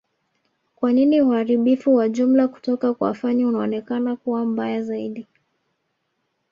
kwa nini uharibifu wa jumla kutoka kwa Fani unaonekana kuwa mbaya zaidi